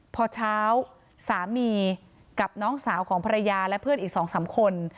พอเช้าสามีกับน้องสาวของภรรยาและเพื่อนอีก๒๓คน